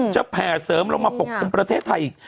จะแผ่เสริมลงมาปกประเทศไทยอีก